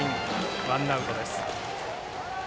ワンアウトです。